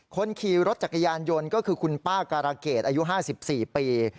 คนขี่รถจักรยานยนต์ก็คือคุณป้าการะเกดอายุ๕๔ปี